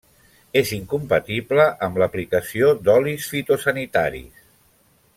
És incompatible amb l'aplicació d'olis fitosanitaris.